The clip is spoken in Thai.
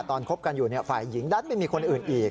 คบกันอยู่ฝ่ายหญิงดันไปมีคนอื่นอีก